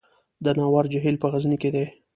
د ناور جهیل په غزني کې دی